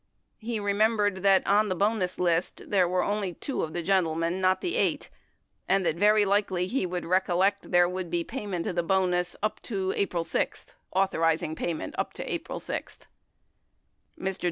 He remembered that on the bonus list there were only two of the gentlemen, not the eight ; and that very likely he would recollect there would be payment of the bonus up to April 6 — authorizing payment up to April 6. Mr.